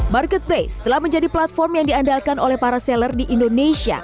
marketplace telah menjadi platform yang diandalkan oleh para seller di indonesia